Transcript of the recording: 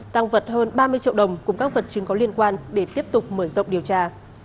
tăng vật hơn ba mươi triệu đồng cùng các vật chứng có liên quan để tiếp tục mở rộng điều tra